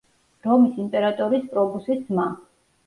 რომის იმპერატორის პრობუსის ძმა.